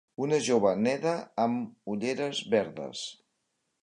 Una jove neda amb ulleres verdes.